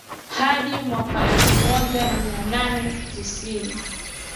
hadi mwaka elfu moja mia nane tisini